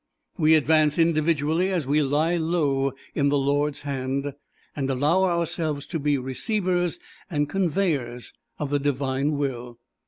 We advance individually as we lie low in the Lord's hand and allow ourselves to be receivers and conveyors of the Divine Will.